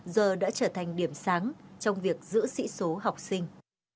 giờ đã trở thành điểm sáng trong việc giữ sĩ số học sinh